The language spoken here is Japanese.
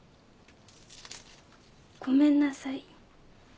ごめんなさい。